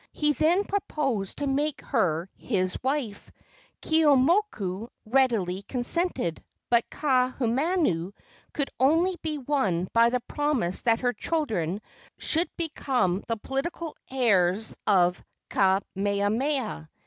He then proposed to make her his wife. Keeaumoku readily consented, but Kaahumanu could only be won by the promise that her children should become the political heirs of Kamehameha.